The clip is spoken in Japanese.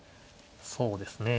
そうですね。